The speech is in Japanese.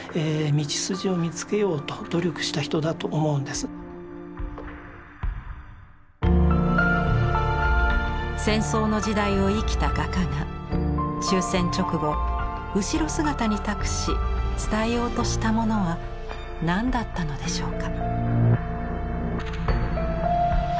非常に戦争の時代を生きた画家が終戦直後後ろ姿に託し伝えようとしたものは何だったのでしょうか。